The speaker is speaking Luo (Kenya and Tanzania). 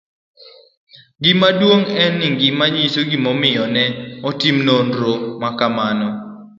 Gima duong' En gima nyiso gimomiyo ne otim nonro ma kamano.